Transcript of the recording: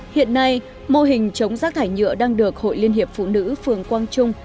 hiện nay mô hình chống rác thải nhựa đang được hội liên hiệp phụ nữ phường quang trung